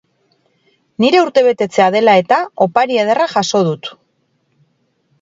Nire urtebetetzea dela eta opari ederra jaso dut